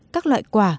các loại quả